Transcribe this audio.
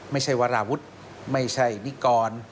ไม่ใช่วราวุธไม่ใช่นิกร